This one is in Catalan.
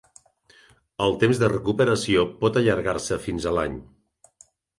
El temps de recuperació pot allargar-se fins a l'any.